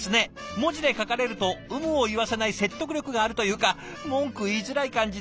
文字で書かれると有無を言わせない説得力があるというか文句言いづらい感じで。